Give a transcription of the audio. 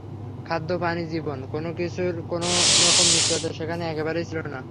খাদ্য, পানি, জীবন—কোনো কিছুর কোনো রকম নিশ্চয়তা সেখানে একেবারেই ছিল না।